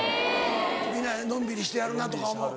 皆のんびりしてはるなとか思う。